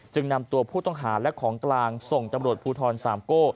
นำตัวผู้ต้องหาและของกลางส่งตำรวจภูทรสามโก้